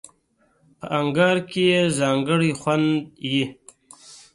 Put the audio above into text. په انگار کې یې ځانګړی خوند وي.